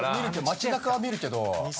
街なかは見るけど。